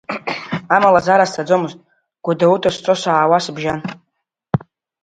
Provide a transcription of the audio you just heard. Амала зара сцаӡомызт, Гәдоуҭа сцо-саауа сыбжьан.